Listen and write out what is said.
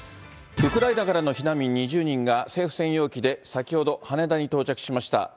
ウクライナからの避難民２０人が、政府専用機で先ほど羽田に到着しました。